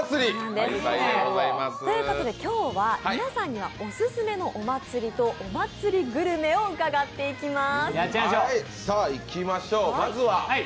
ということで今日は皆さんにはオススメのお祭りとお祭りグルメを伺っていきます。